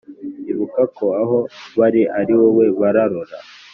Ibuka ko aho bari ari wowe barora ;